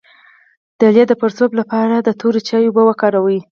د لۍ د پړسوب لپاره د تور چای اوبه وکاروئ